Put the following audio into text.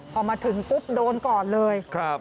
พอมาถึงปุ๊บโดนก่อนเลย